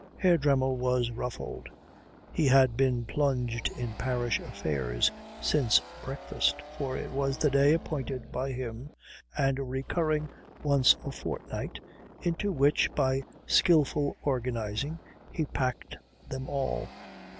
Herr Dremmel was ruffled. He had been plunged in parish affairs since breakfast, for it was the day appointed by him and recurring once a fortnight into which by skilful organizing he packed them all.